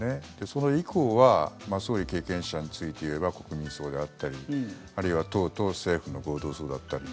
それ以降は総理経験者についていえば国民葬であったり、あるいは党と政府の合同葬だったり。